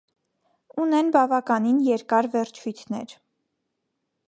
Ունեն բավականին երկար վերջույթներ։